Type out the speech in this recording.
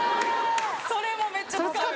それもめっちゃ使う。